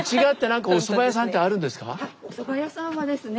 おそば屋さんはですね